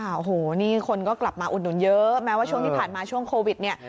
โอ้โหนี่คนก็กลับมาอุดหนุนเยอะแม้ว่าช่วงที่ผ่านมาช่วงโควิดเนี่ย